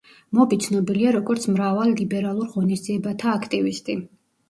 მობი ცნობილია როგორც მრავალ ლიბერალურ ღონისძიებათა აქტივისტი.